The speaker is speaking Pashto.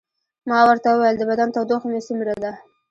ما ورته وویل: د بدن تودوخه مې څومره ده؟